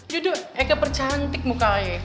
yaudah eike percantik mukanya